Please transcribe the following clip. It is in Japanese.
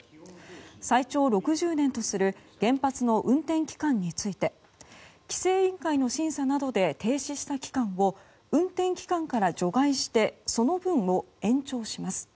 最長６０年とする原発の運転期間について規制委員会の審査などで停止した期間を運転期間から除外してその分を延長します。